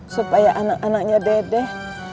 supaya anak anaknya dedeh